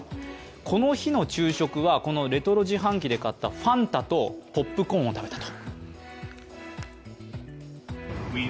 この日の昼食はレトロ自販機で買ったファンタとポップコーンを食べたと。